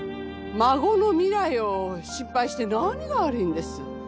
孫の未来を心配して何が悪いんです？